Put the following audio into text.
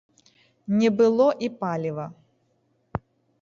Не было і паліва.